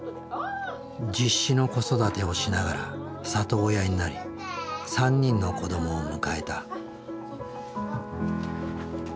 実子の子育てをしながら里親になり３人の子どもを迎えた。